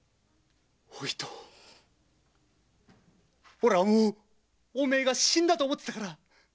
俺はもうお前が死んだと思ってたから！